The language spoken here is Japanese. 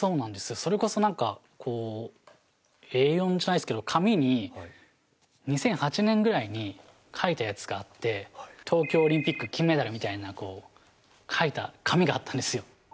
それこそ、Ａ４じゃないですけど紙に２００８年ぐらいに書いたやつがあって東京オリンピック金メダル！みたいなのを書いた紙があったんですよ。